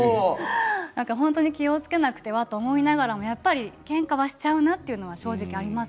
本当に気をつけなくてはと思いながら、やっぱりけんかをしちゃうなっていうのは正直あります。